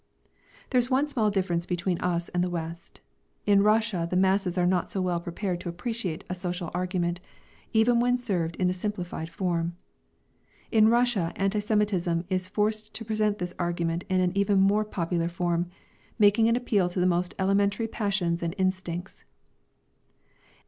There is one small difference between us and the West. In Russia the masses are not so well prepared to appreciate a social argument, even when served in a simplified form. In Russia anti Semitism is forced to present this argument in an even more popular form, making an appeal to the most elementary passions and instincts.